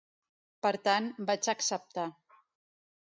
Per tant, vaig acceptar.